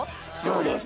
そうです！